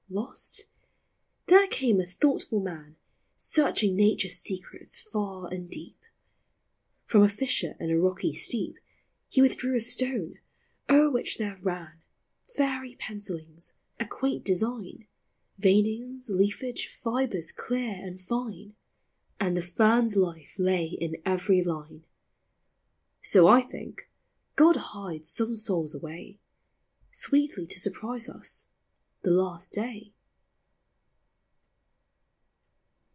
Lost ? There came a thoughtful man Searching Nature's secrets, far and deep ; From a fissure in a rocky steep He withdrew a stone, o'er which there ran Fairy pencillings, a quaint design, Veinings, leafage, fibres clear and fine. And the fern's life lay in every line ! 202 POEMS OF S&NTIAIENT. So, I think, God hides some souls away, Sweetly to surprise us, the hist day.